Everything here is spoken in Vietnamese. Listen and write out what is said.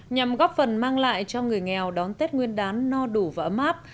nhằm góp phần mang lại cho người nghèo đón tết nguyên đán no đủ và ấm áp